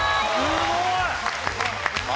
すごい！